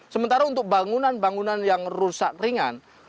sementara untuk bangunan bangunan yang rusak ringan